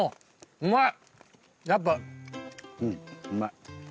うまい。